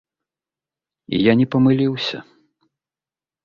І я не памыліўся.